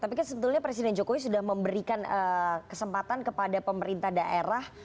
tapi kan sebetulnya presiden jokowi sudah memberikan kesempatan kepada pemerintah daerah